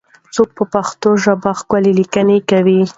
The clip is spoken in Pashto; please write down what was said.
څوک په پښتو ژبه ښکلې لیکنې کوي؟